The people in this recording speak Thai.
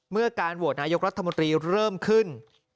เมื่อการโหวตนายกรัฐมนตรีเริ่มขึ้น